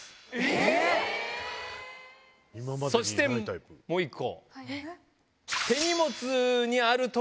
そしてもう１個。